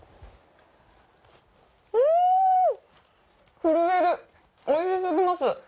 震えるおいし過ぎます。